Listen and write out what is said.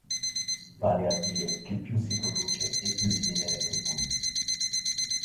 Vale a dire che più si produce e più si viene retribuiti.